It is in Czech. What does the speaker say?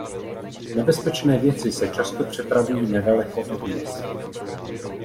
Nebezpečné věci se často přepravují nedaleko od měst.